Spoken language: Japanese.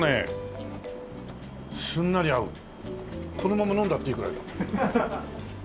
このまま飲んだっていいくらいだもん。